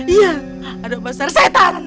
iya ada pasar setan